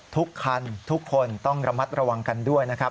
ทุกคันทุกคนต้องระมัดระวังกันด้วยนะครับ